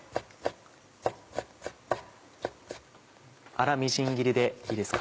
粗みじん切りでいいですか？